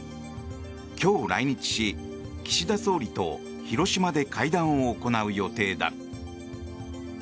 今日来日し、岸田総理と広島で会談を行う予定だ。